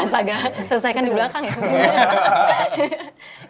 selesaikan di belakang ya